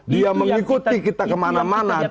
dia mengikuti kita kemana mana